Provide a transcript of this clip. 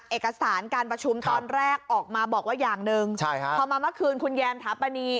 เอกสารการประชุมตอนแรกออกมาบอกว่าอย่างหนึ่งพอมาเมื่อคืนคุณแยมถาปนี